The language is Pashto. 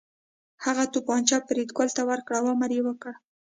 هغه توپانچه فریدګل ته ورکړه او امر یې وکړ